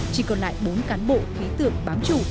chỉ còn lại bốn cán bộ khí tượng bám trụ